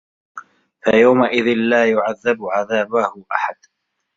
فَيَومَئِذٍ لا يُعَذِّبُ عَذابَهُ أَحَدٌ